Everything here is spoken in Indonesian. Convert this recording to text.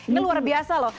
ini luar biasa loh